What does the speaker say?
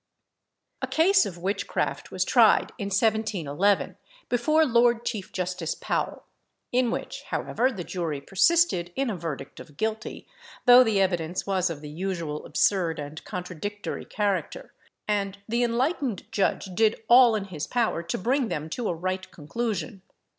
A case of witchcraft was tried in 1711, before Lord Chief Justice Powell; in which, however, the jury persisted in a verdict of guilty, though the evidence was of the usual absurd and contradictory character, and the enlightened judge did all in his power to bring them to a right conclusion.